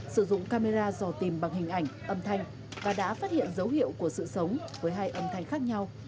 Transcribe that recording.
sử dụng camera dò tìm bằng hình ảnh âm thanh và đã phát hiện dấu hiệu của sự sống với hai âm thanh khác nhau